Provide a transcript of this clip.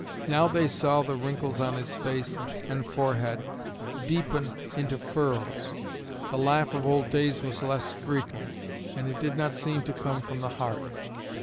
Now they saw the wrinkles on his face and forehead deepen into furrows; the laugh of old days was less frequent, and it did not seem to come from the heart.